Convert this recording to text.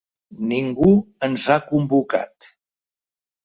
Ningú ens ha convocat.